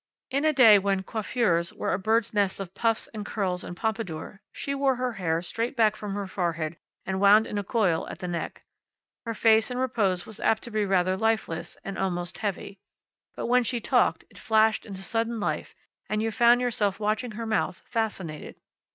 In a day when coiffures were a bird's nest of puffs and curls and pompadour, she wore her hair straight back from her forehead and wound in a coil at the neck. Her face in repose was apt to be rather lifeless, and almost heavy. But when she talked, it flashed into sudden life, and you found yourself watching her mouth, fascinated.